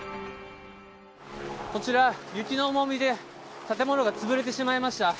こちら、雪の重みで建物が潰れてしまいました。